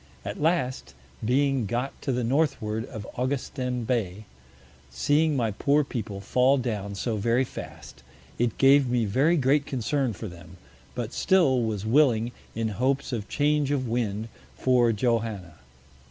At last, being got to the Northward of Augustin Bay, seeing my poor People fall down so very fast, it gave me very great Concern for them, but still was willing, in Hopes of Change of Wind, for Johanna.